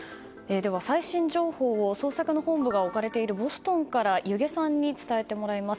最新情報を捜索の本部が置かれているボストンから弓削さんに伝えてもらいます。